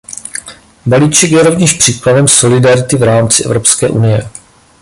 Balíček je rovněž příkladem solidarity v rámci Evropské unie.